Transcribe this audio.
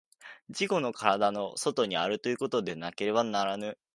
自己の身体の外にあるということでなければならぬ。